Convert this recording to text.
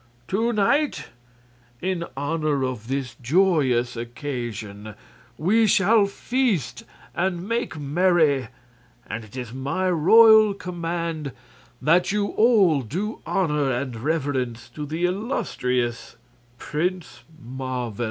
To night, in honor of this joyous occasion, we shall feast and make merry, and it is my royal command that you all do honor and reverence to the illustrious Prince Marvel!"